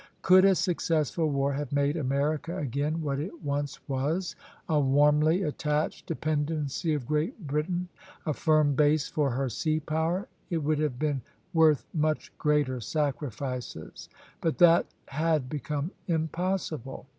Could a successful war have made America again what it once was, a warmly attached dependency of Great Britain, a firm base for her sea power, it would have been worth much greater sacrifices; but that had become impossible.